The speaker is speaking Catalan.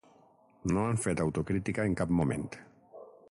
No han fet autocrítica en cap moment.